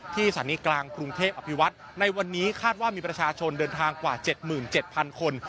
สถานีกลางกรุงเทพอภิวัตในวันนี้คาดว่ามีประชาชนเดินทางกว่า๗๗๐๐คน